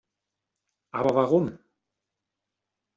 Aber warum?!